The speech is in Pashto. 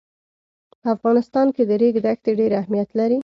په افغانستان کې د ریګ دښتې ډېر اهمیت لري.